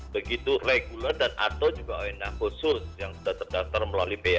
begitu reguler dan atau juga oena khusus yang sudah terdaftar melalui pia